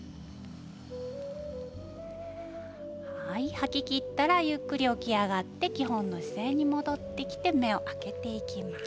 吐ききったらゆっくり起き上がって基本の姿勢に戻ってきて手を上げていきます。